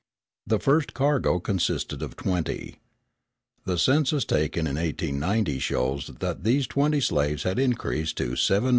The first cargo consisted of twenty. The census taken in 1890 shows that these twenty slaves had increased to 7,638,360.